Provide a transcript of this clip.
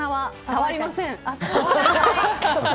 触りません！